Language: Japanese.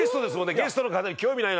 ゲストの方に興味ないなんて。